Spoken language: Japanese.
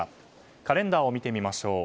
カレンダーを見てみます。